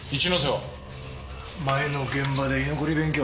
前の現場で居残り勉強だ。